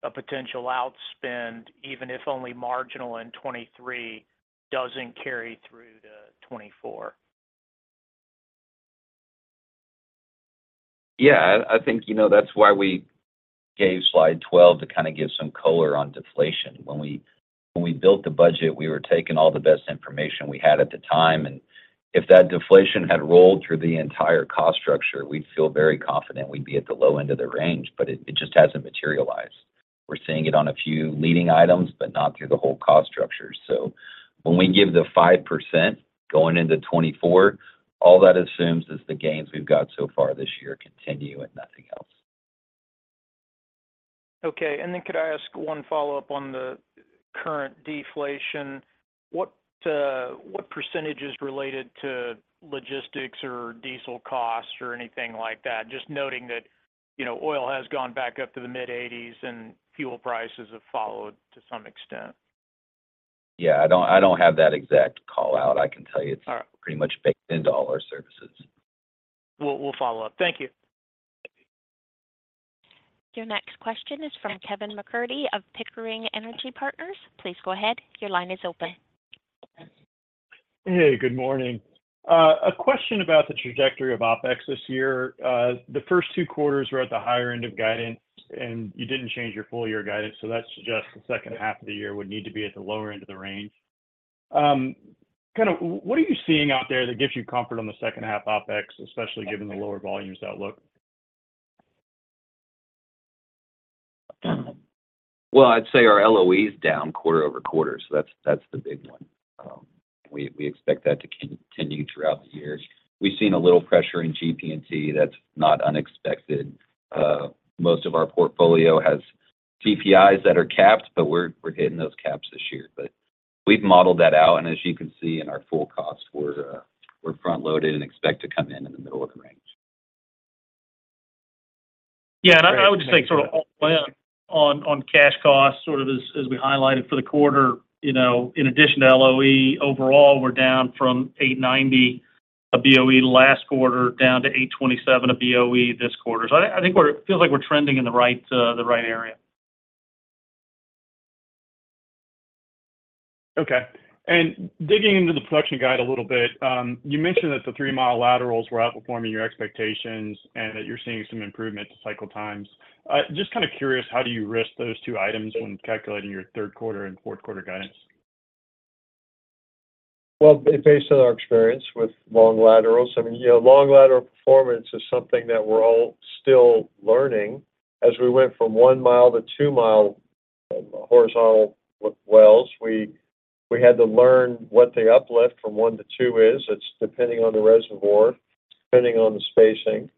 a potential outspend, even if only marginal in 2023, doesn't carry through to 2024. Yeah, I, I think, you know, that's why we gave slide 12 to kind of give some color on deflation. When we, when we built the budget, we were taking all the best information we had at the time, and if that deflation had rolled through the entire cost structure, we'd feel very confident we'd be at the low end of the range, but it, it just hasn't materialized. We're seeing it on a few leading items, but not through the whole cost structure. When we give the 5% going into 2024, all that assumes is the gains we've got so far this year continue, and nothing else. Okay, could I ask one follow-up on the current deflation? What, what percentage is related to logistics or diesel costs or anything like that? Just noting that, you know, oil has gone back up to the mid-80s, and fuel prices have followed to some extent. Yeah, I don't, I don't have that exact call out. I can tell you it's- All right. pretty much baked into all our services. We'll, we'll follow up. Thank you. Your next question is from Kevin McCurdyof Pickering Energy Partners. Please go ahead. Your line is open. Hey, good morning. A question about the trajectory of OpEx this year. The first two quarters were at the higher end of guidance, and you didn't change your full year guidance, so that suggests the second half of the year would need to be at the lower end of the range. kind of, what are you seeing out there that gives you comfort on the second half OpEx, especially given the lower volumes outlook? I'd say our LOE is down quarter-over-quarter, so that's, that's the big one. We, we expect that to continue throughout the year. We've seen a little pressure in GP&T. That's not unexpected. Most of our portfolio has CPIs that are capped, but we're, we're hitting those caps this year. We've modeled that out, and as you can see in our full cost, we're, we're front loaded and expect to come in in the middle of the range. I, I would just make sort of on, on, on cash costs, sort of as, as we highlighted for the quarter. You know, in addition to LOE, overall, we're down from $8.90/BOE last quarter, down to $8.27/BOE this quarter. I think we're feels like we're trending in the right, the right area. Okay. Digging into the production guide a little bit, you mentioned that the 3-mi laterals were outperforming your expectations and that you're seeing some improvement to cycle times. Just kind of curious, how do you risk those two items when calculating your third quarter and fourth quarter guidance? Well, based on our experience with long laterals, I mean, you know, long lateral performance is something that we're all still learning. As we went from 1 mile to 2 mile horizontal wells, we, we had to learn what the uplift from one to two is. It's depending on the reservoir, depending on the spacing,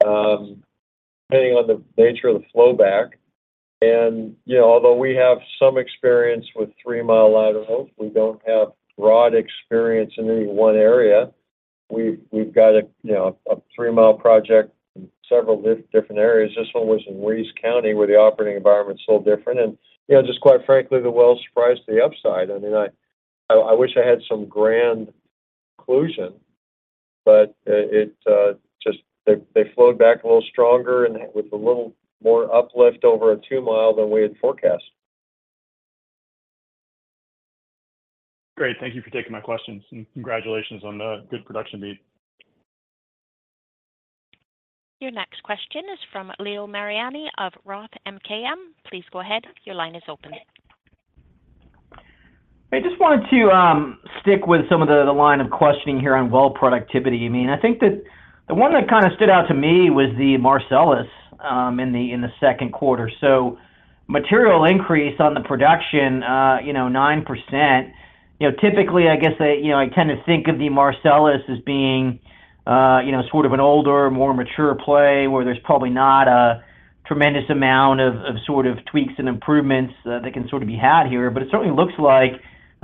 depending on the nature of the flow back. You know, although we have some experience with 3-mile laterals, we don't have broad experience in any one area. We've, we've got a, you know, a 3-mile project in several different areas. This one was in Reeves County, where the operating environment is so different and, you know, just quite frankly, the well surprised the upside. I mean, I, wish I had some grand conclusion, but, it, just they, they flowed back a little stronger and with a little more uplift over a 2 mile than we had forecast. Great. Thank you for taking my questions, and congratulations on the good production beat. Your next question is from Leo Mariani of Roth MKM. Please go ahead. Your line is open. I just wanted to stick with some of the, the line of questioning here on well productivity. I mean, I think that the one that kind of stood out to me was the Marcellus in the, in the second quarter. Material increase on the production, you know, 9%. You know, typically, I guess, I, you know, I tend to think of the Marcellus as being, you know, sort of an older, more mature play, where there's probably not a tremendous amount of, of sort of tweaks and improvements that, that can sort of be had here. It certainly looks like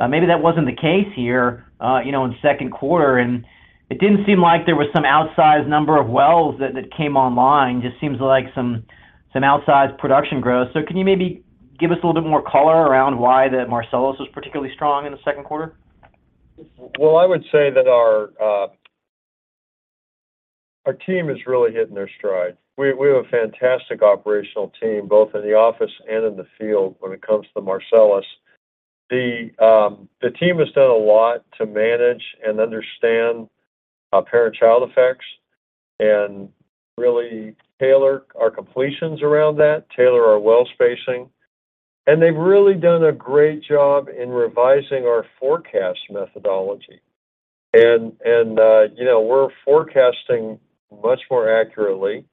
maybe that wasn't the case here, you know, in the second quarter, and it didn't seem like there was some outsized number of wells that, that came online. Just seems like some, some outsized production growth. Can you maybe. Give us a little bit more color around why the Marcellus was particularly strong in the second quarter? Well, I would say that our team is really hitting their stride. We, we have a fantastic operational team, both in the office and in the field when it comes to Marcellus. The team has done a lot to manage and understand parent-child effects and really tailor our completions around that, tailor our well spacing. They've really done a great job in revising our forecast methodology. You know, we're forecasting much more accurately.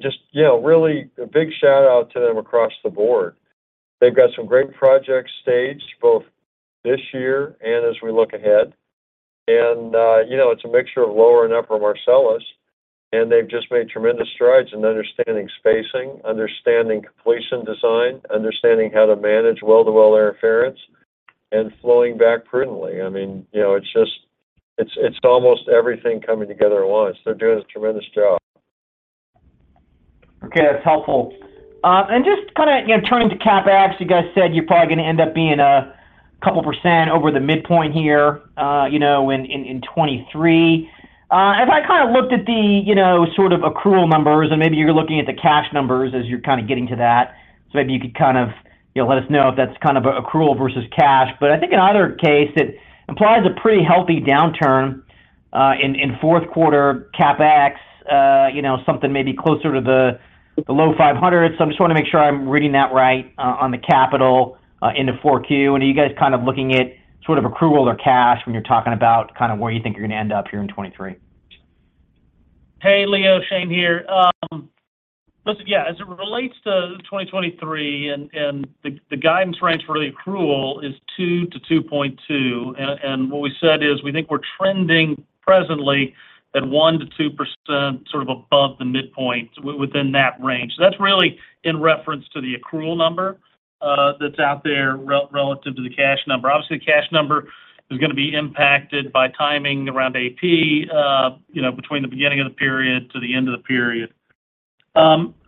Just, you know, really a big shout out to them across the board. They've got some great projects staged, both this year and as we look ahead. You know, it's a mixture of lower and upper Marcellus, and they've just made tremendous strides in understanding spacing, understanding completion design, understanding how to manage well-to-well interference, and flowing back prudently. I mean, you know, it's almost everything coming together at once. They're doing a tremendous job. Okay, that's helpful. Just kinda, you know, turning to CapEx, you guys said you're probably going to end up being 2% over the midpoint here, you know, in, in, in 2023. As I kinda looked at the, you know, sort of accrual numbers, and maybe you're looking at the cash numbers as you're kinda getting to that. Maybe you could kind of, you know, let us know if that's kind of accrual versus cash. I think in either case, it implies a pretty healthy downturn, in, in fourth quarter CapEx, you know, something maybe closer to the $500. I just want to make sure I'm reading that right, on the capital, into 4Q. Are you guys kind of looking at sort of accrual or cash when you're talking about kind of where you think you're going to end up here in 2023? Hey, Leo, Shane here. Listen, yeah, as it relates to 2023 and, and the, the guidance range for the accrual is 2-2.2. What we said is, we think we're trending presently at 1%-2%, sort of above the midpoint within that range. That's really in reference to the accrual number, that's out there relative to the cash number. Obviously, the cash number is going to be impacted by timing around AP, you know, between the beginning of the period to the end of the period.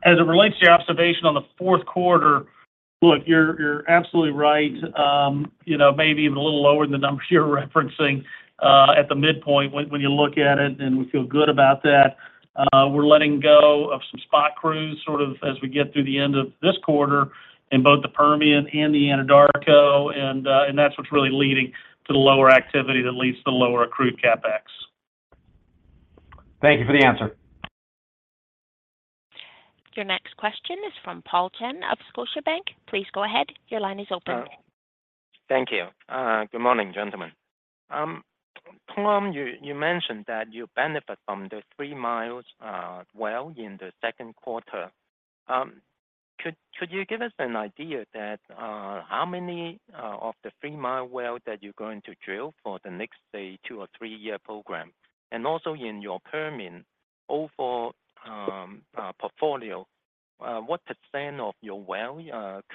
As it relates to your observation on the fourth quarter, look, you're, you're absolutely right. You know, maybe even a little lower than the numbers you're referencing, at the midpoint when, when you look at it, and we feel good about that. We're letting go of some spot crews, sort of, as we get through the end of this quarter in both the Permian and the Anadarko. That's what's really leading to the lower activity that leads to the lower accrued CapEx. Thank you for the answer. Your next question is from Paul Cheng of Scotiabank. Please go ahead. Your line is open. Thank you. Good morning, gentlemen. Tom, you, you mentioned that you benefit from the 3 miles well in the second quarter. Could, could you give us an idea that how many of the 3-mile well that you're going to drill for the next, say, two or three-year program? Also in your Permian overall portfolio, what percent of your well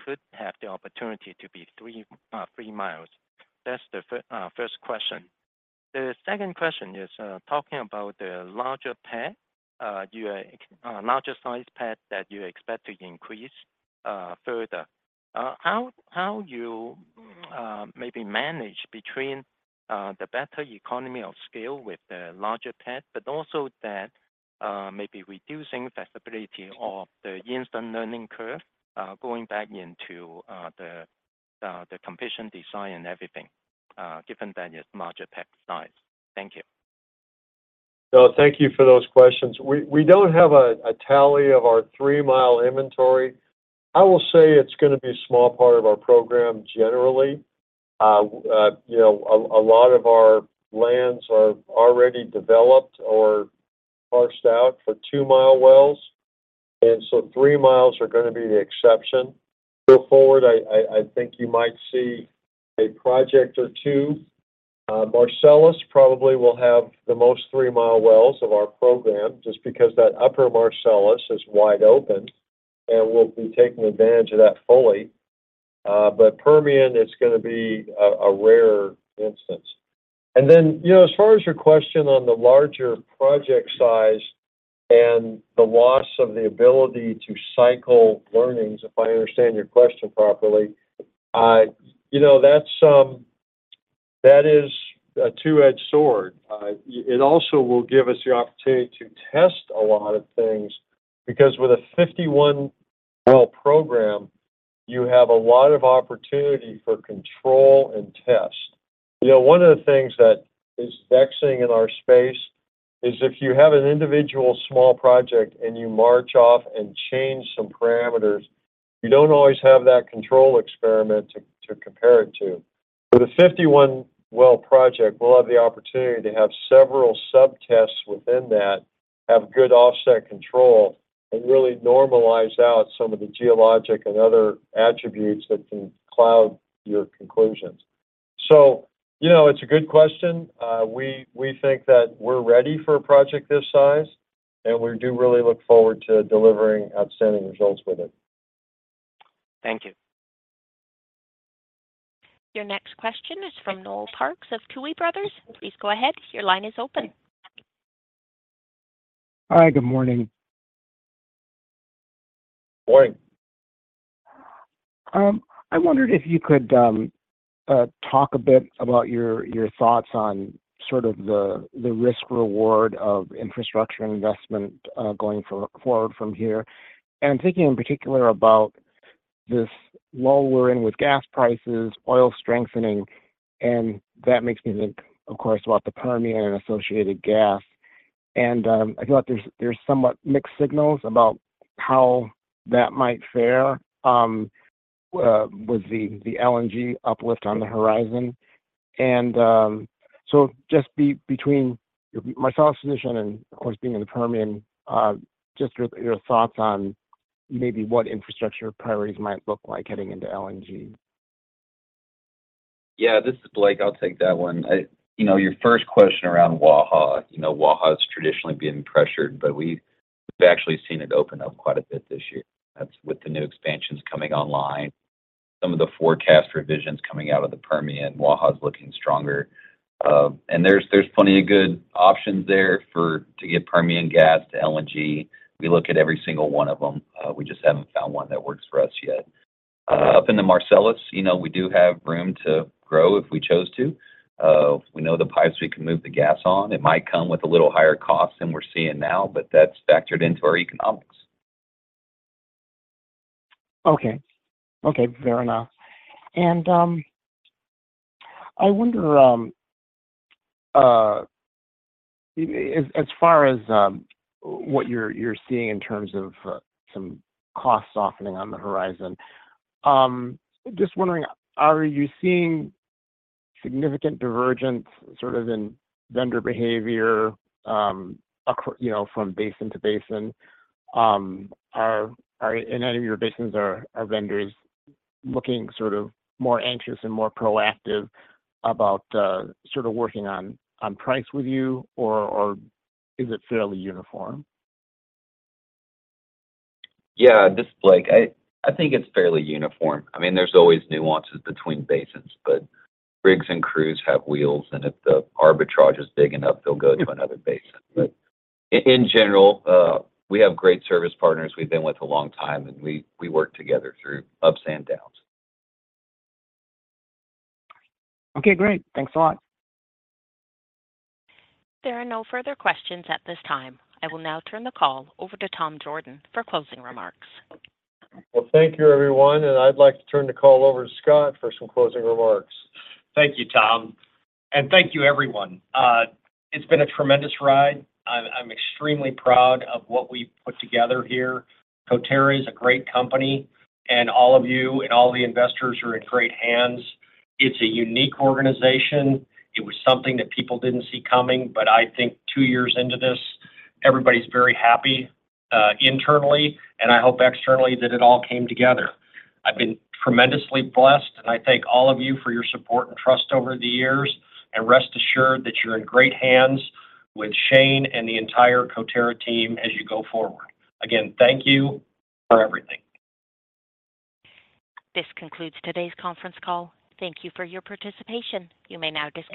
could have the opportunity to be 3, 3 miles? That's the first question. The second question is talking about the larger pad. You, larger size pad that you expect to increase further. How, how you, maybe manage between, the better economy of scale with the larger pad, but also that, maybe reducing the flexibility of the instant learning curve, going back into, the, tcompletion design and everything, given that it's larger pad size? Thank you. Thank you for those questions. We don't have a tally of our 3-mile inventory. I will say it's going to be a small part of our program generally. You know, a lot of our lands are already developed or parsed out for 2-mile wells, and so 3 miles are going to be the exception. Go forward, I think you might see a project or two. Marcellus probably will have the most 3-mile wells of our program, just because that upper Marcellus is wide open, and we'll be taking advantage of that fully. But Permian, it's going to be a rare instance. Then, you know, as far as your question on the larger project size and the loss of the ability to cycle learnings, if I understand your question properly, you know, that's that is a two-edged sword. It also will give us the opportunity to test a lot of things, because with a 51 well program, you have a lot of opportunity for control and test. You know, one of the things that is vexing in our space is if you have an individual small project and you march off and change some parameters, you don't always have that control experiment to, to compare it to. With a 51 well project, we'll have the opportunity to have several sub-tests within that, have good offset control, and really normalize out some of the geologic and other attributes that can cloud your conclusions. You know, it's a good question. We, we think that we're ready for a project this size, and we do really look forward to delivering outstanding results with it. Thank you. Your next question is from Noel Parks of Tuohy Brothers. Please go ahead. Your line is open. Hi, good morning. Morning. I wondered if you could talk a bit about your, your thoughts on sort of the, the risk-reward of infrastructure investment going forward from here. Thinking in particular about this lull we're in with gas prices, oil strengthening, and that makes me think, of course, about the Permian and associated gas. I feel like there's, there's somewhat mixed signals about how that might fare with the, the LNG uplift on the horizon. So just between Marcellus position and of course, being in the Permian, just your, your thoughts on maybe what infrastructure priorities might look like heading into LNG. Yeah, this is Blake. I'll take that one. You know, your first question around Waha. You know, Waha has traditionally been pressured, but we've, we've actually seen it open up quite a bit this year. That's with the new expansions coming online. Some of the forecast revisions coming out of the Permian, Waha is looking stronger. There's, there's plenty of good options there for, to get Permian gas to LNG. We look at every single one of them. We just haven't found one that works for us yet. Up in the Marcellus, you know, we do have room to grow if we chose to. We know the pipes we can move the gas on. It might come with a little higher cost than we're seeing now, but that's factored into our economics. Okay. Okay, fair enough. I wonder, as far as what you're seeing in terms of some cost softening on the horizon, just wondering, are you seeing significant divergence sort of in vendor behavior, you know, from basin to basin? Are in any of your basins, are vendors looking sort of more anxious and more proactive about sort of working on price with you, or is it fairly uniform? Yeah, this is Blake. I, I think it's fairly uniform. I mean, there's always nuances between basins, but rigs and crews have wheels, and if the arbitrage is big enough, they'll go to another basin. In general, we have great service partners we've been with a long time, and we, we work together through ups and downs. Okay, great. Thanks a lot. There are no further questions at this time. I will now turn the call over to Tom Jorden for closing remarks. Well, thank you, everyone, and I'd like to turn the call over to Scott for some closing remarks. Thank you, Tom, and thank you, everyone. It's been a tremendous ride. I'm, I'm extremely proud of what we've put together here. Coterra is a great company, and all of you and all the investors are in great hands. It's a unique organization. It was something that people didn't see coming, but I think 2 years into this, everybody's very happy, internally, and I hope externally, that it all came together. I've been tremendously blessed, and I thank all of you for your support and trust over the years, and rest assured that you're in great hands with Shane and the entire Coterra team as you go forward. Again, thank you for everything. This concludes today's conference call. Thank you for our participation. You may now disconnect.